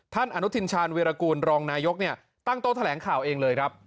อนุทินชาญวีรกูลรองนายกตั้งโต๊ะแถลงข่าวเองเลยครับ